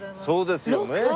そうですよね。